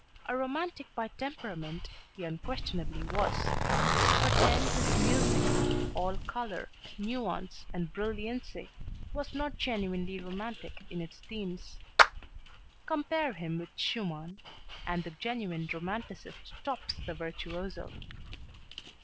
A romantic by temperament he unquestionably was. But then his music, all color, nuance, and brilliancy, was not genuinely romantic in its themes. Compare him with Schumann, and the genuine romanticist tops the virtuoso.